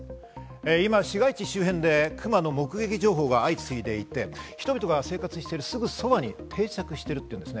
今、市街地周辺でクマの目撃情報が相次いでいて、人々が暮らしているすぐそばに定着しているといいます。